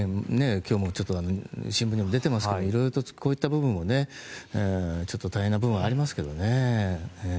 今日の新聞にも出てますが色々とこういった部分も大変な部分はありますけどね。